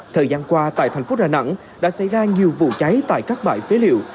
thời gian qua tại thành phố đà nẵng đã xảy ra nhiều vụ cháy tại các bãi phế liệu